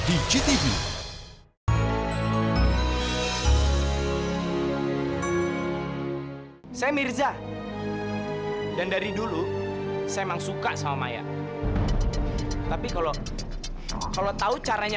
ismo star indonesia season dua mulai dua puluh sembilan oktober di gtv